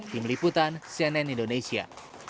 tim liputan cnn indonesia